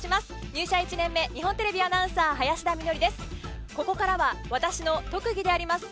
入社１年目日本テレビアナウンサー林田美学です。